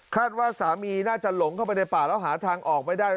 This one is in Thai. ว่าสามีน่าจะหลงเข้าไปในป่าแล้วหาทางออกไม่ได้